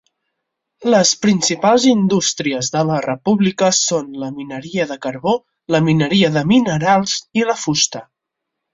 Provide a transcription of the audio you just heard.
Les principals indústries de la república són la mineria de carbó, la mineria de minerals i la fusta.